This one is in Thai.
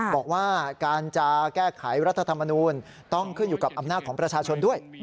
บอกว่าการจะแก้ไขรัฐธรรมนูลต้องขึ้นอยู่กับอำนาจของประชาชนด้วย